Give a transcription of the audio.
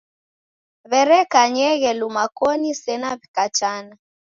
W'erekanyeghe luma koni sena w'ikatana.